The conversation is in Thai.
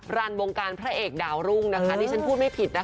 รันวงการพระเอกดาวรุ่งนะคะดิฉันพูดไม่ผิดนะคะ